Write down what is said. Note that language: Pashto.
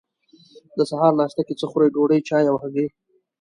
د سهار ناشته کی څه خورئ؟ ډوډۍ، چای او هګۍ